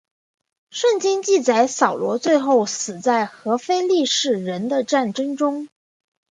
圣经记载扫罗最后死在和非利士人的战争中。